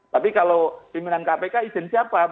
tapi kalau pimpinan kpk izin siapa